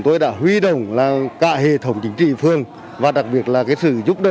tổ truy vết phường để truy vết khẩn cấp